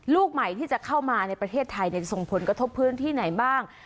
ลูกใหม่ที่จะเข้ามาในประเทศไทยจะส่งผลกระทบพื้นที่ไหนบ้าง